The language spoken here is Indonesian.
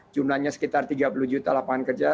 jumlahnya sekitar tiga puluh juta lapangan kerja